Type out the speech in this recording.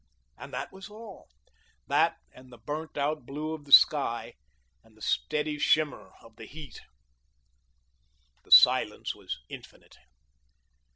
And that was all; that and the burnt out blue of the sky and the steady shimmer of the heat. The silence was infinite.